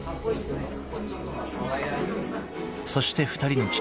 ［そして２人の父］